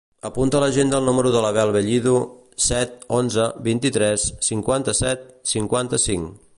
Apunta a l'agenda el número de l'Abel Bellido: set, onze, vint-i-tres, cinquanta-set, cinquanta-cinc.